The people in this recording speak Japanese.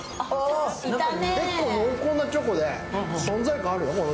結構、濃厚なチョコで存在感あるね。